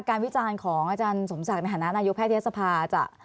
การวิจารณ์ของอาจารย์สมศักดิ์มหานานาโยคแพทย์เทศภา